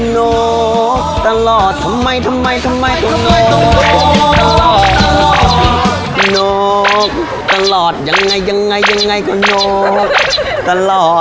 นกตลอดทำไมทำไมต้องตลอดนกตลอดยังไงยังไงก็นกตลอด